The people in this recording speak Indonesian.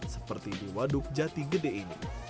seperti di waduk jati gede ini